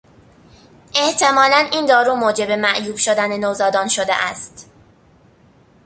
احتمالا این دارو موجب معیوب شدن نوزادان شده است.